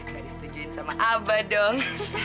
gak disetujuin sama abah dong